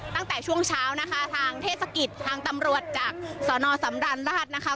ตั้งแต่ช่วงเช้านะคะทางเทศกิจทางตำรวจจากสอนอสำราญราชนะคะ